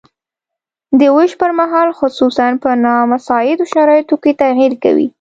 د ویش پرمهال خصوصاً په نامساعدو شرایطو کې تغیر کوي.